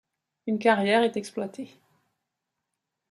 Une carrière est exploitée.